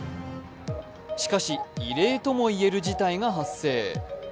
しかし、異例ともいえる事態が発生。